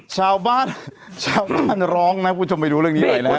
ชาวบ้านชาวบ้านร้องนะคุณผู้ชมไปดูเรื่องนี้หน่อยนะฮะ